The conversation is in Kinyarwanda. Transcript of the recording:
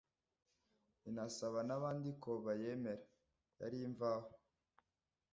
inasaba n’abandi ko bayemera. yari imvaho